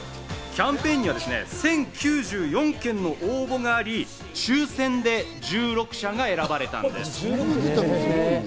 キャンペーンには１０９４件の応募があり、抽選で１６社が選ばれたんです。